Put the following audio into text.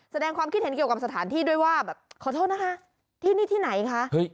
แสดงความคิดเห็นเกี่ยวกับสถานที่ด้วยว่าแบบขอโทษนะคะที่นี่ที่ไหนคะ